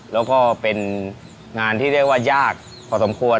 แล้วก็เป็นงานที่เรียกว่ายากพอสมควร